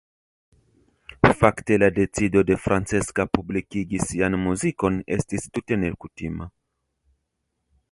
Fakte la decido de Francesca publikigi sian muzikon estis tute nekutima.